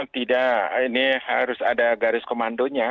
tidak ini harus ada garis komandonya